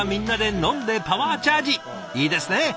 いいですねえ。